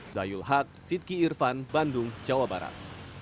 zayul haq sidki irfan bandung jawa barat